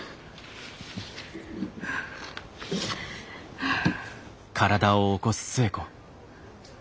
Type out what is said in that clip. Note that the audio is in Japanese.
はあ。